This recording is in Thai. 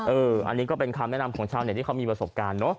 อันนี้ก็เป็นคำแนะนำของชาวเน็ตที่เขามีประสบการณ์เนอะ